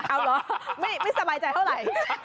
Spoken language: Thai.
ถ้าหากขอไม่เศร้าจัชเข้าหลาย